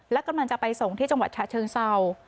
และกำลังจะไปส่งที่จังหวัดฉะเชิงเศร้า